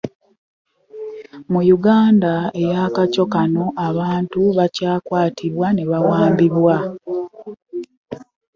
Mu Uganda eya kaco kano, abantu bakyakwatibwa ne bawambibwa.